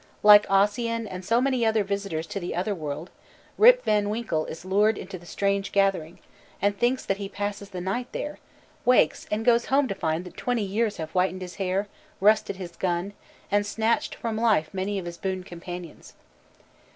Like Ossian and so many other visitors to the Otherworld, Rip Van Winkle is lured into the strange gathering, thinks that he passes the night there, wakes, and goes home to find that twenty years have whitened his hair, rusted his gun, and snatched from life many of his boon companions.